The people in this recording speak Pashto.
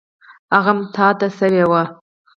هغه هم تا ته شوی و.